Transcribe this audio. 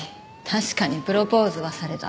確かにプロポーズはされた。